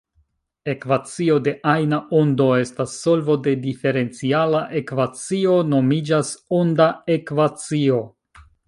Ekvacio de ajna ondo estas solvo de diferenciala ekvacio, nomiĝas "«onda ekvacio»".